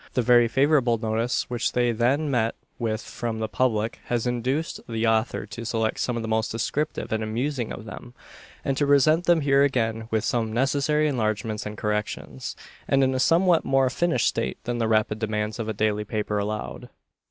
The very favourable notice which they then met with from the public, has induced the author to select some of the most descriptive and amusing of them, and to present them here again, with some necessary enlargements and corrections, and in a somewhat more finished state than the rapid demands of a daily paper allowed.